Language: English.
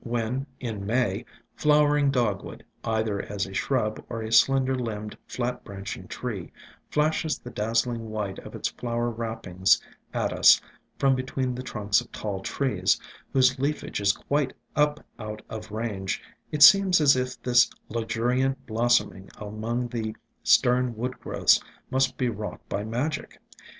When, in May, Flowering Dogwood, either as a shrub or a slender limbed, flat branching tree, flashes the dazzling white of its flower wrappings at us from between the trunks of tall trees, whose leaf age is quite up out of range, it seems as if this luxuriant blossoming among the stern woodgrowths must be wrought by magic.